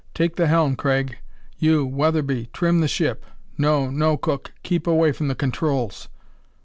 Take the helm, Craig; you, Wetherby, trim the ship. No, no, Cook keep away from the controls!"